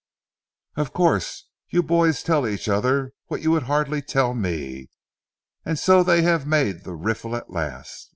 "Of course, you boys tell each other what you would hardly tell me. And so they have made the riffle at last?